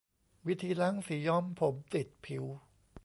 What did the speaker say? วิธีล้างสีย้อมผมติดผิว